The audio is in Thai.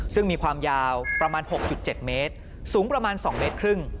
ซึ่งมีความยาวประมาณ๖๗เมตรสูงประมาณ๒เมตรครึ่ง